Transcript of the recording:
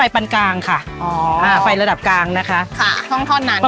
ประมาณ๑๕นาที